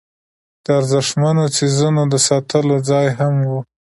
د ارزښتمنو څیزونو د ساتلو ځای هم و.